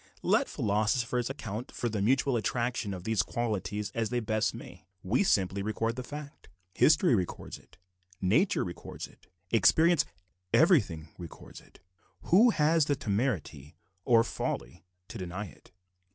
Let philosophers account for the mutual attraction of these qualities as they best may, we simply record the fact. History records it; nature records it; experience everything records it; who has the temerity, or folly, to deny it?